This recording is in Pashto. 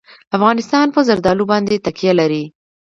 افغانستان په زردالو باندې تکیه لري.